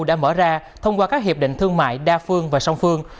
đã mở ra thông qua các hiệp định thương mại đa phương và song phương